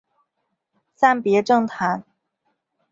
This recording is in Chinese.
暂别政坛。